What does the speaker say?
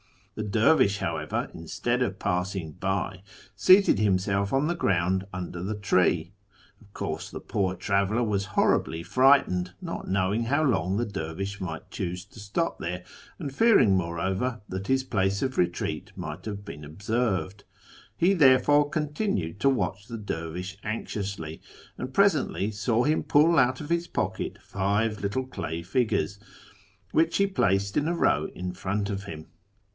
" The dervish, however, instead of passing by, seated himself on the ground under the tree. Of course the poor traveller was horribly frightened, not knowing how long the dervisli might choose to stop there, and fearing, moreover, that his place of retreat might have been observed. He therefore con tinued to watcli the dervish anxiously, and presently saw him pull out of his pocket five little clay figures, which he placed in a row in front of him.